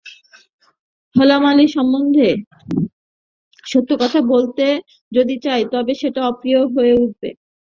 হলা মালীর সম্বন্ধে সত্য কথা বলতে যদি চাই তবে সেটা অপ্রিয় হয়ে উঠবে।